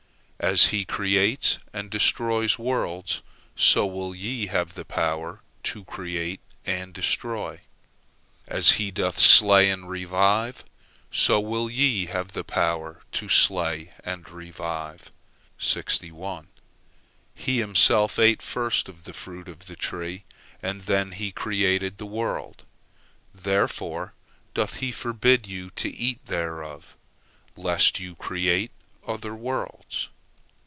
As He creates and destroys worlds, so will ye have the power to create and destroy. As He doth slay and revive, so will ye have the power to slay and revive. He Himself ate first of the fruit of the tree, and then He created the world. Therefore doth He forbid you to eat thereof, lest you create other worlds.